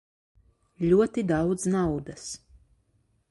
Ļoti daudz naudas.